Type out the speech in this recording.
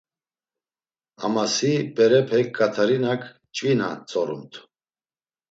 Ama si, berepek, Katerinak ç̌vina ntzorumt.